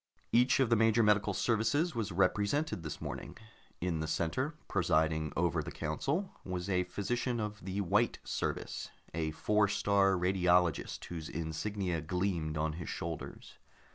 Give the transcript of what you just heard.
Each of the major medical services was represented this morning. In the center, presiding over the council, was a physician of the White Service, a Four star Radiologist whose insignia gleamed on his shoulders.